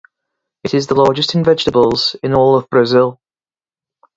It is the largest in vegetables in all of Brazil.